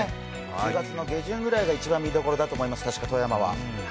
１０月の下旬ぐらいが一番見頃だと思います、富山は。